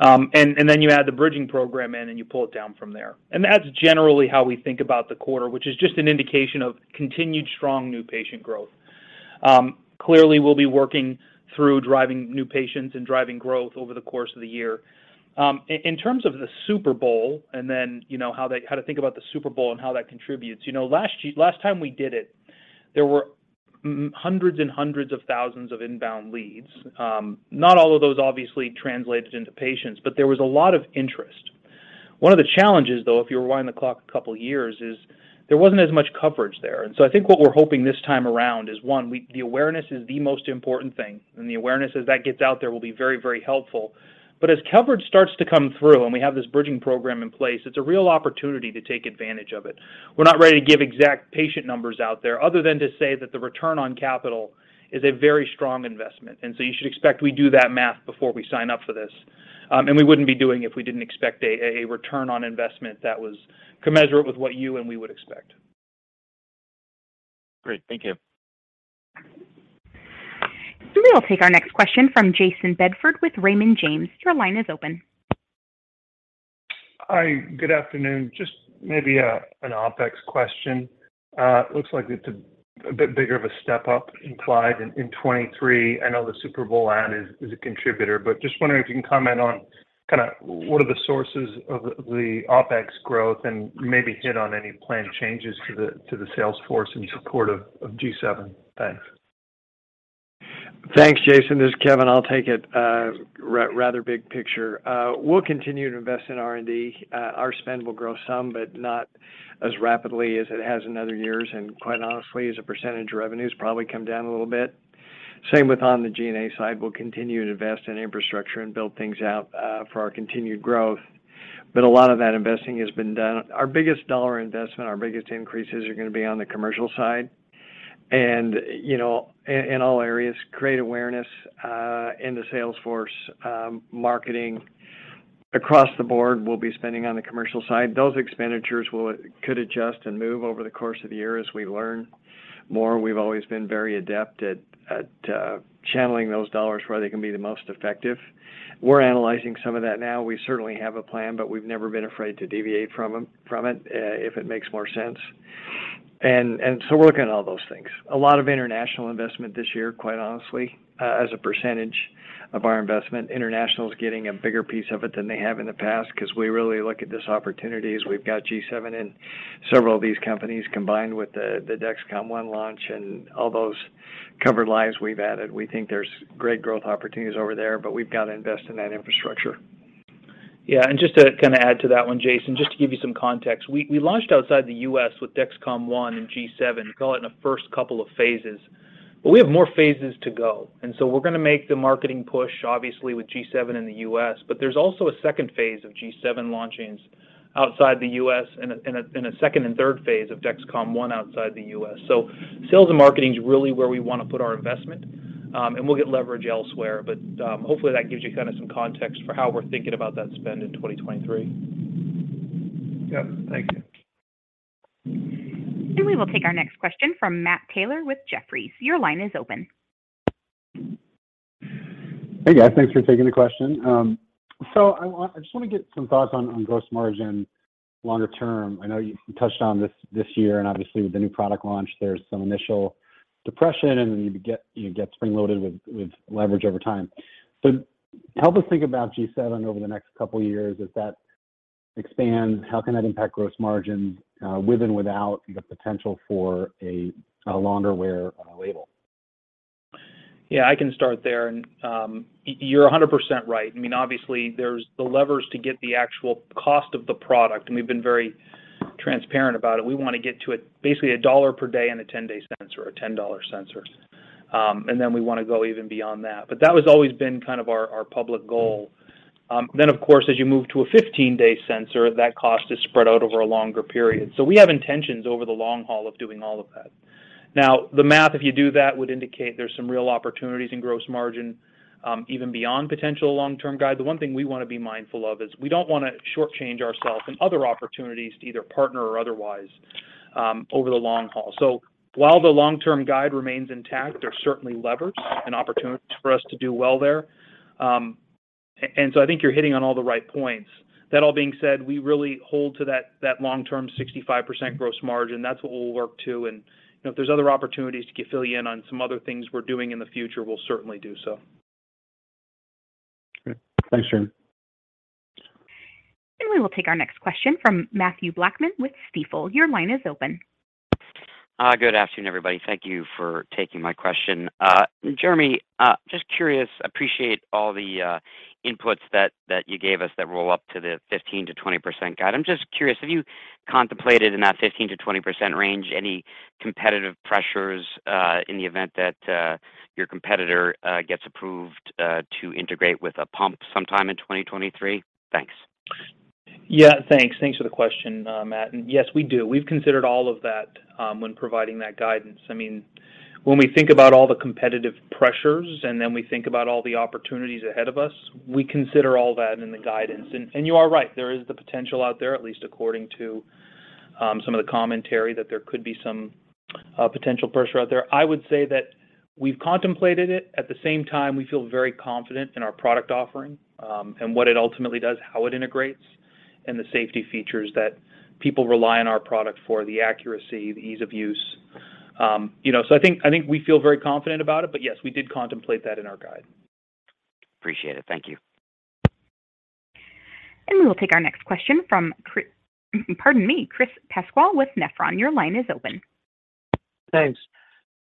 Then you add the bridging program in, and you pull it down from there. That's generally how we think about the quarter, which is just an indication of continued strong new patient growth. Clearly, we'll be working through driving new patients and driving growth over the course of the year. In terms of the Super Bowl, you know, how to think about the Super Bowl and how that contributes. You know, last time we did it, there were hundreds and hundreds of thousands of inbound leads. Not all of those obviously translated into patients, but there was a lot of interest. One of the challenges, though, if you rewind the clock a couple of years, is there wasn't as much coverage there. I think what we're hoping this time around is, one, the awareness is the most important thing, and the awareness as that gets out there will be very, very helpful. As coverage starts to come through and we have this bridging program in place, it's a real opportunity to take advantage of it. We're not ready to give exact patient numbers out there other than to say that the return on capital is a very strong investment. You should expect we do that math before we sign up for this. We wouldn't be doing it if we didn't expect a return on investment that was commensurate with what you and we would expect. Great. Thank you. We will take our next question from Jayson Bedford with Raymond James. Your line is open. Hi, good afternoon. Just maybe a, an OPEX question. It looks like it's a bit bigger of a step up implied in 23. I know the Super Bowl ad is a contributor, but just wondering if you can comment on kinda what are the sources of the OPEX growth and maybe hit on any planned changes to the, to the sales force in support of G7. Thanks. Thanks, Jayson. This is Kevin. I'll take it, rather big picture. We'll continue to invest in R&D. Our spend will grow some, but not as rapidly as it has in other years. Quite honestly, as a percentage, revenue has probably come down a little bit. Same with on the G&A side. We'll continue to invest in infrastructure and build things out for our continued growth. A lot of that investing has been done. Our biggest dollar investment, our biggest increases are going to be on the commercial side. You know, in all areas, create awareness in the sales force, marketing. Across the board, we'll be spending on the commercial side. Those expenditures could adjust and move over the course of the year as we learn more. We've always been very adept at channeling those dollars where they can be the most effective. We're analyzing some of that now. We certainly have a plan, but we've never been afraid to deviate from it if it makes more sense. We're looking at all those things. A lot of international investment this year, quite honestly, as a percentage of our investment. International is getting a bigger piece of it than they have in the past because we really look at this opportunity as we've got G7 and several of these companies combined with the Dexcom ONE launch and all those covered lives we've added. We think there's great growth opportunities over there, but we've got to invest in that infrastructure. Yeah. Just to kind of add to that one, Jayson, just to give you some context, we launched outside the U.S. with Dexcom ONE and G7. We call it in the first couple of phases, but we have more phases to go. We're going to make the marketing push, obviously with G7 in the U.S., but there's also a second phase of G7 launchings outside the U.S. and a second and third phase of Dexcom ONE outside the U.S.. Sales and marketing is really where we want to put our investment, and we'll get leverage elsewhere. Hopefully that gives you kind of some context for how we're thinking about that spend in 2023. Yeah. Thank you. We will take our next question from Matt Taylor with Jefferies. Your line is open. Hey, guys. Thanks for taking the question. I just want to get some thoughts on gross margin longer term. I know you touched on this this year, and obviously with the new product launch, there's some initial depression, and then you get spring-loaded with leverage over time. Help us think about G7 over the next couple of years. As that expands, how can that impact gross margin with and without the potential for a longer wear label? I can start there. You're 100% right. I mean, obviously, there's the levers to get the actual cost of the product, and we've been very transparent about it. We want to get to basically $1 per day and a 10-day sensor or a $10 sensor. We want to go even beyond that. That has always been kind of our public goal. Of course, as you move to a 15-day sensor, that cost is spread out over a longer period. We have intentions over the long haul of doing all of that. Now, the math, if you do that, would indicate there's some real opportunities in gross margin, even beyond potential long-term guide. The one thing we want to be mindful of is we don't want to shortchange ourselves and other opportunities to either partner or otherwise, over the long haul. While the long-term guide remains intact, there are certainly levers and opportunities for us to do well there. And so I think you're hitting on all the right points. That all being said, we really hold to that long-term 65% gross margin. That's what we'll work to. You know, if there's other opportunities to fill you in on some other things we're doing in the future, we'll certainly do so. Great. Thanks, Jereme. We will take our next question from Matthew Blackman with Stifel. Your line is open. Good afternoon, everybody. Thank you for taking my question. Jereme, just curious, appreciate all the inputs that you gave us that roll up to the 15%-20% guide. I'm just curious, have you contemplated in that 15%-20% range any competitive pressures, in the event that your competitor gets approved to integrate with a pump sometime in 2023? Thanks. Yeah, thanks. Thanks for the question, Matt. Yes, we do. We've considered all of that when providing that guidance. I mean, when we think about all the competitive pressures and then we think about all the opportunities ahead of us, we consider all that in the guidance. You are right, there is the potential out there, at least according to some of the commentary, that there could be some potential pressure out there. I would say that we've contemplated it. At the same time, we feel very confident in our product offering, and what it ultimately does, how it integrates, and the safety features that people rely on our product for, the accuracy, the ease of use. You know, so I think we feel very confident about it. Yes, we did contemplate that in our guide. Appreciate it. Thank you. We will take our next question from pardon me, Chris Pasquale with Nephron. Your line is open. Thanks.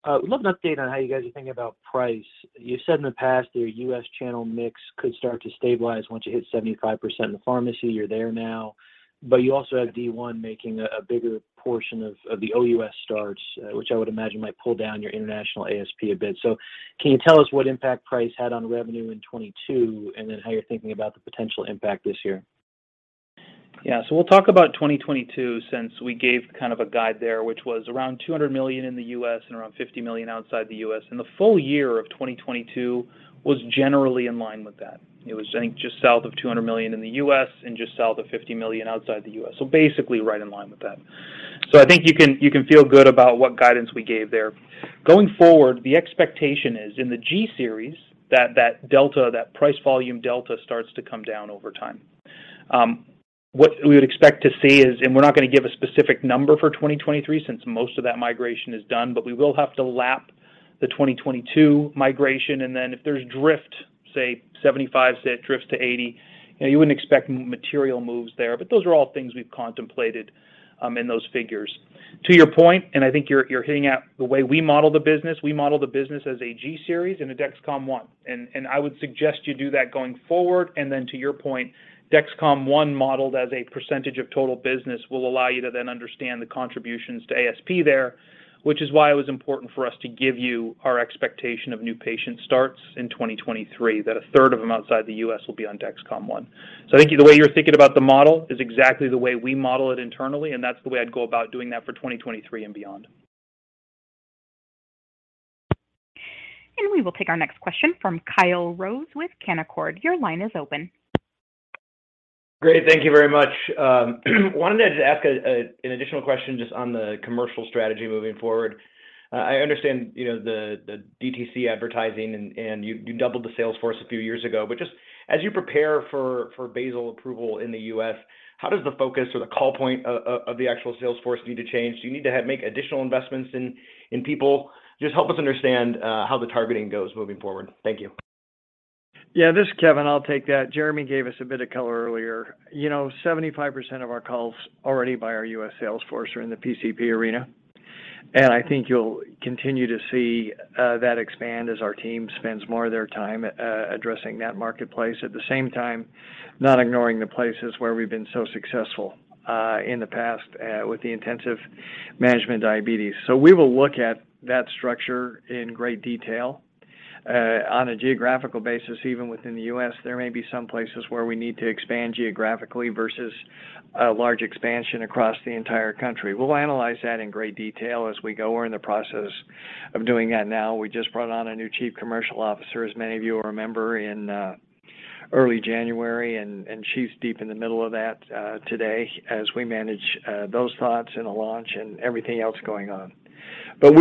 Love an update on how you guys are thinking about price? You said in the past your U.S. channel mix could start to stabilize once you hit 75% in the pharmacy. You're there now, but you also have D one making a bigger portion of the OUS starts, which I would imagine might pull down your international ASP a bit. Can you tell us what impact price had on revenue in 2022, and then how you're thinking about the potential impact this year? We'll talk about 2022 since we gave kind of a guide there, which was around $200 million in the U.S. And around $50 million outside the U.S.. The full year of 2022 was generally in line with that. It was, I think, just south of $200 million in the U.S. and just south of $50 million outside the U.S.. Basically right in line with that. I think you can, you can feel good about what guidance we gave there. Going forward, the expectation is in the G series that that delta, that price volume delta starts to come down over time. What we would expect to see, and we're not going to give a specific number for 2023 since most of that migration is done, but we will have to lap the 2022 migration, and then if there's drift, say 75 set drifts to 80, you know, you wouldn't expect material moves there. But those are all things we've contemplated in those figures. To your point, and I think you're hitting at the way we model the business, we model the business as a G series and a Dexcom ONE. I would suggest you do that going forward. Then to your point, Dexcom ONE modeled as a percentage of total business will allow you to then understand the contributions to ASP there, which is why it was important for us to give you our expectation of new patient starts in 2023, that a third of them outside the U.S. will be on Dexcom ONE. I think the way you're thinking about the model is exactly the way we model it internally, and that's the way I'd go about doing that for 2023 and beyond. We will take our next question from Kyle Rose with Canaccord. Your line is open. Great. Thank you very much. Wanted to just ask an additional question just on the commercial strategy moving forward. I understand, you know, the DTC advertising and you doubled the sales force a few years ago. Just as you prepare for basal approval in the U.S., how does the focus or the call point of the actual sales force need to change? Do you need to make additional investments in people? Just help us understand how the targeting goes moving forward. Thank you. This is Kevin. I'll take that. Jereme gave us a bit of color earlier. You know, 75% of our calls already by our U.S. sales force are in the PCP arena. I think you'll continue to see that expand as our team spends more of their time addressing that marketplace. At the same time, not ignoring the places where we've been so successful in the past with the intensive management diabetes. We will look at that structure in great detail. On a geographical basis, even within the U.S., there may be some places where we need to expand geographically versus a large expansion across the entire country. We'll analyze that in great detail as we go. We're in the process of doing that now. We just brought on a new chief commercial officer, as many of you will remember, in early January. She's deep in the middle of that today as we manage those thoughts in a launch and everything else going on. We'll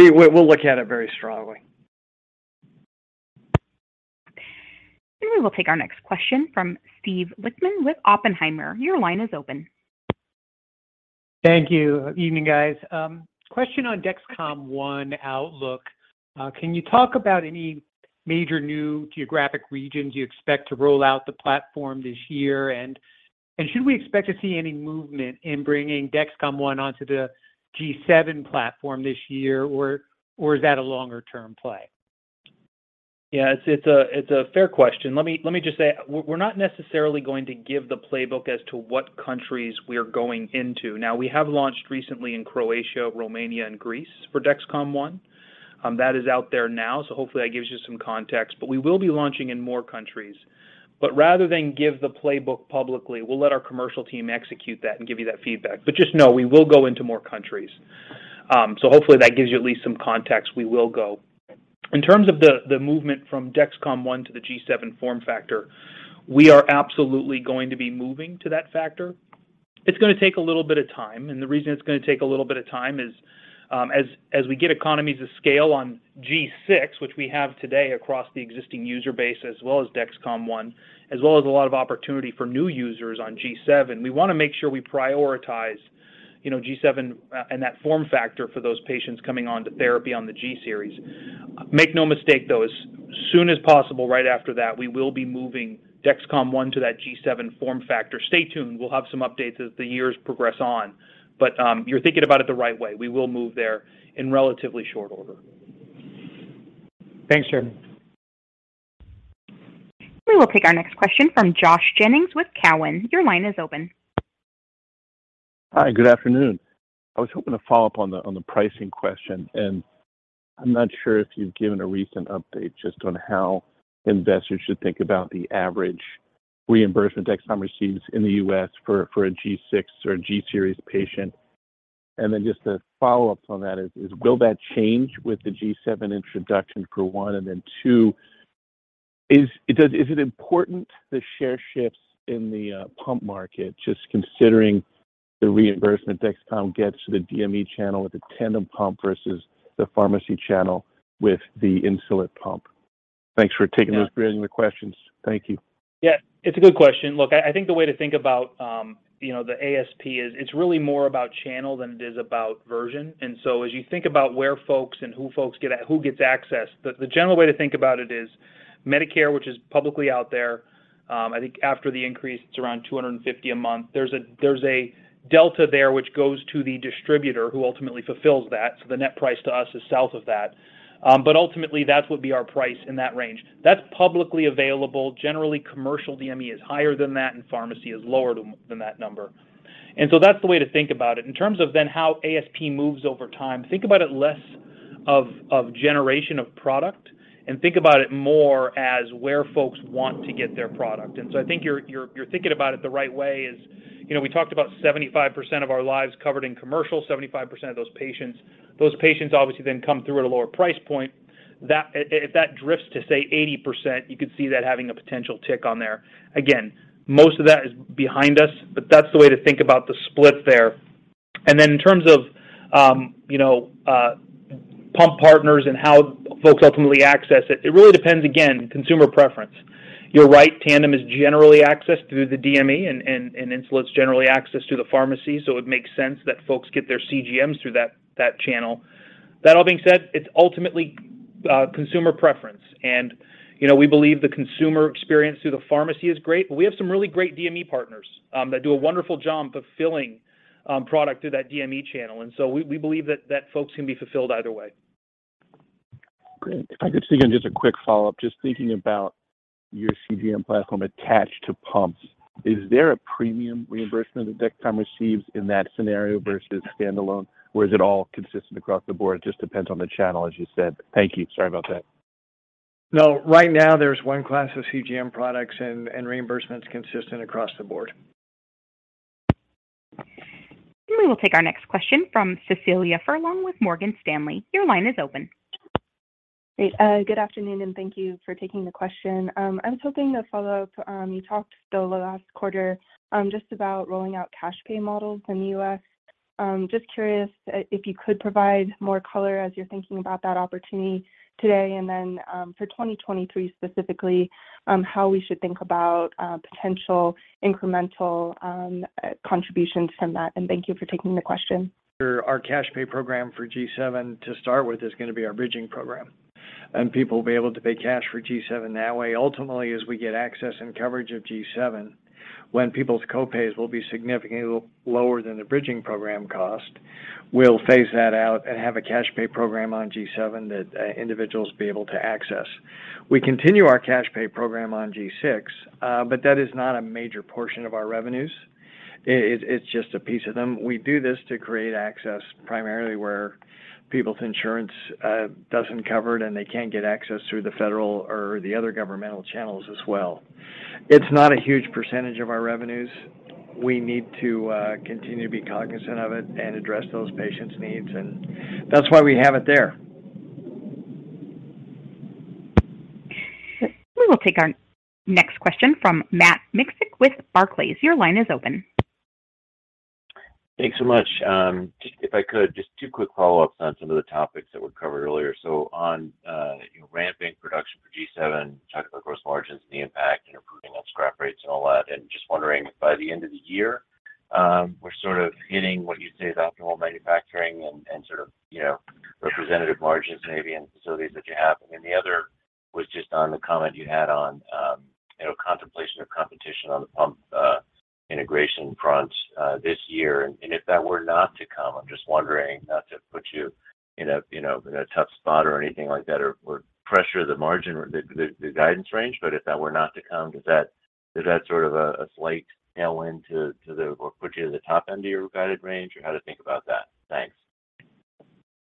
look at it very strongly. We will take our next question from Steve Lichtman with Oppenheimer. Your line is open. Thank you. Evening, guys. Question on Dexcom ONE outlook? Can you talk about any major new geographic regions you expect to roll out the platform this year? Should we expect to see any movement in bringing Dexcom ONE onto the G7 platform this year, or is that a longer-term play? Yeah. It's a fair question. Let me just say, we're not necessarily going to give the playbook as to what countries we are going into. We have launched recently in Croatia, Romania, and Greece for Dexcom ONE. That is out there now, so hopefully that gives you some context. We will be launching in more countries. Rather than give the playbook publicly, we'll let our commercial team execute that and give you that feedback. Just know we will go into more countries. So hopefully that gives you at least some context. We will go. In terms of the movement from Dexcom ONE to the G7 form factor, we are absolutely going to be moving to that factor. It's going to take a little bit of time, and the reason it's going to take a little bit of time is, as we get economies of scale on G6, which we have today across the existing user base as well as Dexcom ONE, as well as a lot of opportunity for new users on G7, we wanna make sure we prioritize, you know, G7 and that form factor for those patients coming onto therapy on the G series. Make no mistake, though, as soon as possible right after that, we will be moving Dexcom ONE to that G7 form factor. Stay tuned. We'll have some updates as the years progress on. You're thinking about it the right way. We will move there in relatively short order. Thanks, Jereme. We will take our next question from Josh Jennings with Cowen. Your line is open. Hi, good afternoon. I was hoping to follow up on the pricing question. I'm not sure if you've given a recent update just on how investors should think about the average reimbursement Dexcom receives in the U.S. for a G6 or G-series patient. Then just a follow-up on that is, will that change with the G7 introduction for one, and then two is it important the share shifts in the pump market just considering the reimbursement Dexcom gets to the DME channel with the Tandem pump versus the pharmacy channel with the Insulet pump? Thanks for taking those. Yeah. Brave new questions. Thank you. Yeah, it's a good question. Look, I think the way to think about, you know, the ASP is it's really more about channel than it is about version. As you think about where folks and who gets access, the general way to think about it is Medicare, which is publicly out there, I think after the increase, it's around $250 a month. There's a delta there, which goes to the distributor who ultimately fulfills that. The net price to us is south of that. Ultimately that would be our price in that range. That's publicly available. Generally, commercial DME is higher than that, and pharmacy is lower than that number. That's the way to think about it. In terms of then how ASP moves over time, think about it less of generation of product and think about it more as where folks want to get their product. I think you're thinking about it the right way is, you know, we talked about 75% of our lives covered in commercial, 75% of those patients. Those patients obviously then come through at a lower price point. If that drifts to, say, 80%, you could see that having a potential tick on there. Again, most of that is behind us, but that's the way to think about the split there. In terms of, you know, pump partners and how folks ultimately access it really depends, again, consumer preference. You're right, Tandem is generally accessed through the DME and Insulet's generally accessed through the pharmacy, so it makes sense that folks get their CGMs through that channel. That all being said, it's ultimately consumer preference. You know, we believe the consumer experience through the pharmacy is great, but we have some really great DME partners that do a wonderful job fulfilling product through that DME channel. We believe that folks can be fulfilled either way. Great. If I could sneak in just a quick follow-up, just thinking about your CGM platform attached to pumps, is there a premium reimbursement that Dexcom receives in that scenario versus standalone? Is it all consistent across the board, it just depends on the channel, as you said? Thank you. Sorry about that. No. Right now there's one class of CGM products and reimbursement's consistent across the board. We will take our next question from Cecilia Furlong with Morgan Stanley. Your line is open. Great. Good afternoon, and thank you for taking the question. I was hoping to follow up. You talked over the last quarter, just about rolling out cash pay models in the US. Just curious if you could provide more color as you're thinking about that opportunity today, and then, for 2023 specifically, how we should think about potential incremental contributions from that. Thank you for taking the question. Sure. Our cash pay program for G7 to start with is gonna be our bridging program, people will be able to pay cash for G7 that way. Ultimately, as we get access and coverage of G7, when people's copays will be significantly lower than the bridging program cost, we'll phase that out and have a cash pay program on G7 that individuals will be able to access. We continue our cash pay program on G6, but that is not a major portion of our revenues. It's just a piece of them. We do this to create access primarily where people's insurance doesn't cover it and they can't get access through the federal or the other governmental channels as well. It's not a huge percentage of our revenues. We need to continue to be cognizant of it and address those patients' needs, and that's why we have it there. We will take our next question from Matt Miksic with Barclays. Your line is open. Thanks so much. If I could, just two quick follow-ups on some of the topics that were covered earlier. On, you know, ramping production for G7, you talked about gross margins and the impact and improving on scrap rates and all that, and just wondering if by the end of the year, we're sort of hitting what you say is optimal manufacturing and sort of, you know, representative margins maybe in facilities that you have. The other was just on the comment you had on, you know, contemplation of competition on the pump integration front this year. If that were not to come, I'm just wondering, not to put you in a, you know, in a tough spot or anything like that or pressure the margin or the guidance range, but if that were not to come, does that, is that sort of a slight tailwind to or put you to the top end of your guided range? Or how to think about that? Thanks.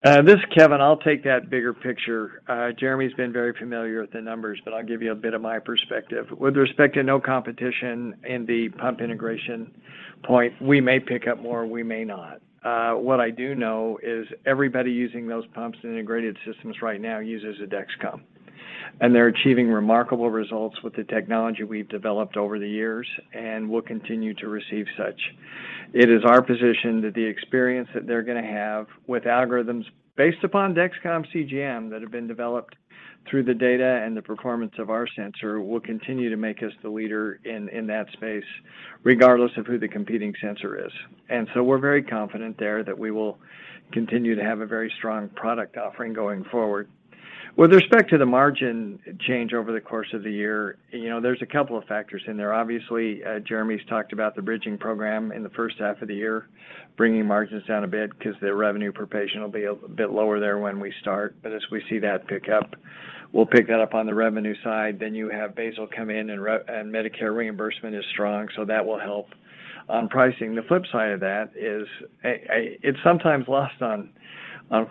This is Kevin. I'll take that bigger picture. Jereme's been very familiar with the numbers, but I'll give you a bit of my perspective. With respect to no competition in the pump integration point, we may pick up more, we may not. What I do know is everybody using those pumps and integrated systems right now uses a Dexcom, and they're achieving remarkable results with the technology we've developed over the years and will continue to receive such. It is our position that the experience that they're gonna have with algorithms based upon Dexcom CGM that have been developed through the data and the performance of our sensor will continue to make us the leader in that space, regardless of who the competing sensor is. We're very confident there that we will continue to have a very strong product offering going forward. With respect to the margin change over the course of the year, you know, there's a couple of factors in there. Obviously, Jereme's talked about the bridging program in the first half of the year bringing margins down a bit because their revenue per patient will be a bit lower there when we start. As we see that pick up, we'll pick that up on the revenue side. You have basal come in and Medicare reimbursement is strong, so that will help on pricing. The flip side of that is it's sometimes lost on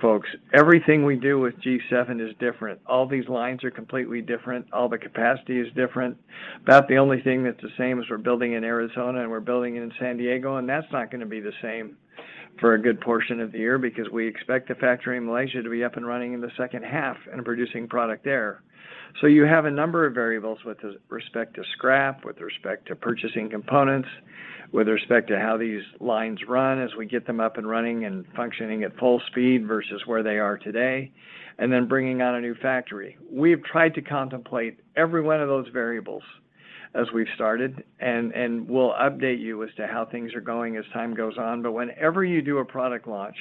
folks. Everything we do with G7 is different. All these lines are completely different. All the capacity is different. About the only thing that's the same is we're building in Arizona and we're building it in San Diego. That's not gonna be the same for a good portion of the year because we expect the factory in Malaysia to be up and running in the second half and producing product there. You have a number of variables with respect to scrap, with respect to purchasing components, with respect to how these lines run as we get them up and running and functioning at full speed versus where they are today, and then bringing on a new factory. We've tried to contemplate every one of those variables as we've started, and we'll update you as to how things are going as time goes on. Whenever you do a product launch,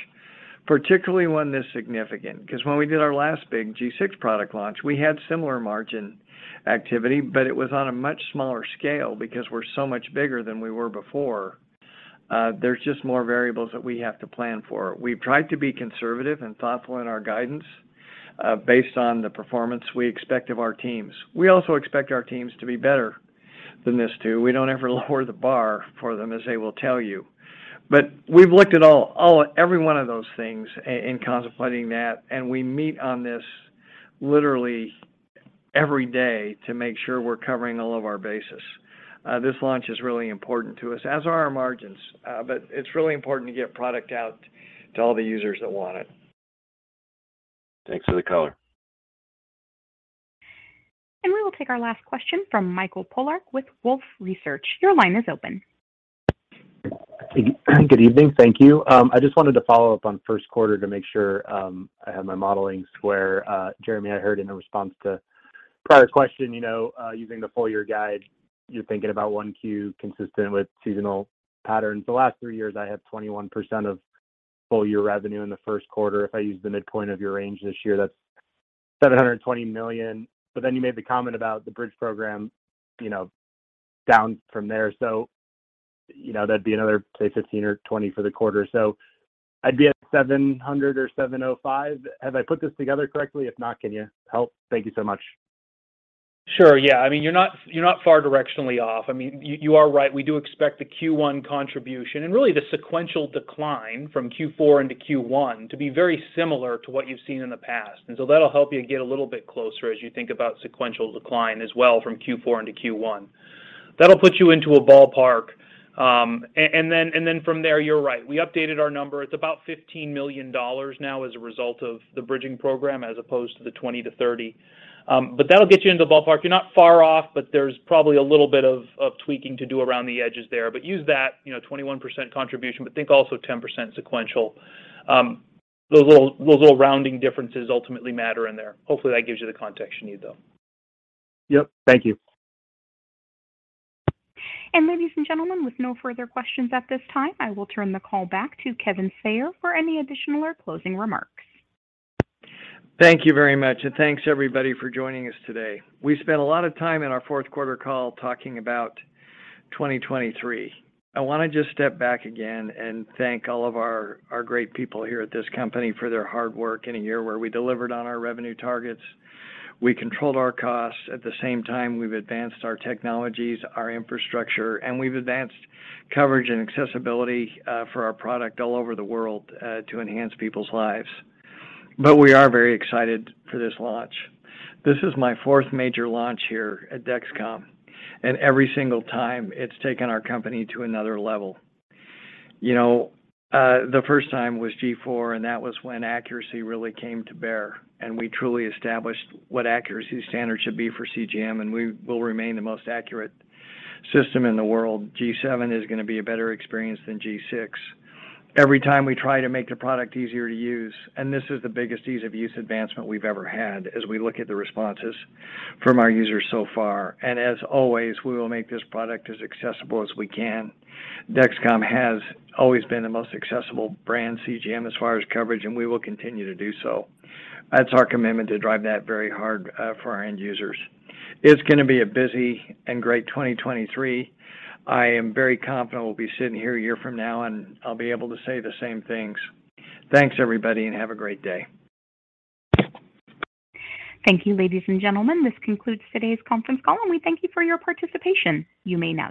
particularly one this significant, because when we did our last big G6 product launch, we had similar margin activity, but it was on a much smaller scale. Because we're so much bigger than we were before, there's just more variables that we have to plan for. We've tried to be conservative and thoughtful in our guidance, based on the performance we expect of our teams. We also expect our teams to be better than this too. We don't ever lower the bar for them, as they will tell you. We've looked at every one of those things in contemplating that, and we meet on this literally every day to make sure we're covering all of our bases. This launch is really important to us, as are our margins. It's really important to get product out to all the users that want it. Thanks for the color. We will take our last question from Mike Polark with Wolfe Research. Your line is open. Good evening. Thank you. I just wanted to follow up on first quarter to make sure I have my modeling square. Jereme, I heard in a response to prior question, you know, using the full year guide, you're thinking about 1Q consistent with seasonal patterns. The last three years I have 21% of full year revenue in the first quarter. If I use the midpoint of your range this year, that's $720 million. You made the comment about the bridge program, you know, down from there. You know, that'd be another, say, 15 or 20 for the quarter. I'd be at $700 or $705. Have I put this together correctly? If not, can you help? Thank you so much. Sure. I mean, you're not, you're not far directionally off. I mean, you are right. We do expect the Q1 contribution and really the sequential decline from Q4 into Q1 to be very similar to what you've seen in the past. That'll help you get a little bit closer as you think about sequential decline as well from Q4 into Q1. That'll put you into a ballpark. Then from there, you're right. We updated our number. It's about $15 million now as a result of the bridging program as opposed to the $20 million-$30 million. That'll get you into the ballpark. You're not far off, but there's probably a little bit of tweaking to do around the edges there. Use that, you know, 21% contribution, think also 10% sequential. Those little, those little rounding differences ultimately matter in there. Hopefully, that gives you the context you need, though. Yep. Thank you. Ladies and gentlemen, with no further questions at this time, I will turn the call back to Kevin Sayer for any additional or closing remarks. Thanks everybody for joining us today. We spent a lot of time in our fourth quarter call talking about 2023. I wanna just step back again and thank all of our great people here at this company for their hard work in a year where we delivered on our revenue targets. We controlled our costs. At the same time, we've advanced our technologies, our infrastructure, and we've advanced coverage and accessibility for our product all over the world to enhance people's lives. We are very excited for this launch. This is my fourth major launch here at Dexcom, and every single time it's taken our company to another level. You know, the first time was G4. That was when accuracy really came to bear, and we truly established what accuracy standards should be for CGM, and we will remain the most accurate system in the world. G7 is gonna be a better experience than G6. Every time we try to make the product easier to use. This is the biggest ease of use advancement we've ever had as we look at the responses from our users so far. As always, we will make this product as accessible as we can. Dexcom has always been the most accessible brand CGM as far as coverage, and we will continue to do so. That's our commitment to drive that very hard for our end users. It's gonna be a busy and great 2023. I am very confident we'll be sitting here a year from now and I'll be able to say the same things. Thanks, everybody, and have a great day. Thank you, ladies and gentlemen. This concludes today's conference call, and we thank you for your participation. You may now disconnect.